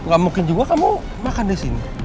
gak mungkin juga kamu makan di sini